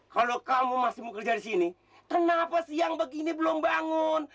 kalau kamu masih mau kerja di sini kenapa siang begini belum bangun